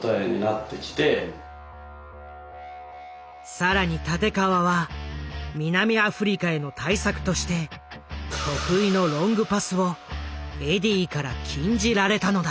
更に立川は南アフリカへの対策として得意のロングパスをエディーから禁じられたのだ。